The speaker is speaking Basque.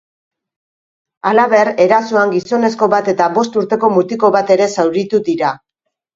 Halaber, erasoan gizonezko bat eta bost urteko mutiko bat ere zauritu dira.